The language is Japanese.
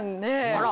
あら！